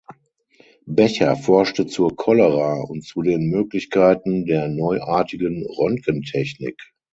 Becher forschte zur Cholera und zu den Möglichkeiten der neuartigen Röntgentechnik.